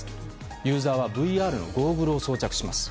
ユーザーはＶＲのゴーグルを装着します。